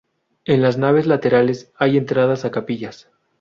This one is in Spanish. En las naves laterales hay entradas a capillas.